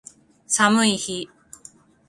寒い日